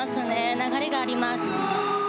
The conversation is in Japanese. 流れがあります。